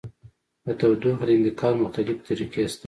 د تودوخې د انتقال مختلفې طریقې شته.